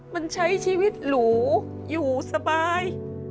มันใช้ชีวิตหรูอยู่สบาย